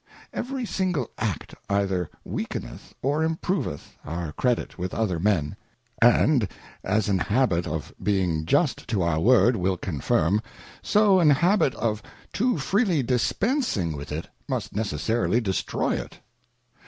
Every single Act either weakeneth or improveth our Credit with other Men ; and as an habit of being just to our Word will confirm, so an habit of too freely dispensing with it must necessarily destroy it.